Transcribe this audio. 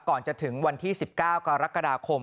ก่อนจะถึงวันที่๑๙กรกฎาคม